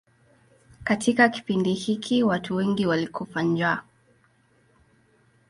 Katika kipindi hiki watu wengi walikufa njaa.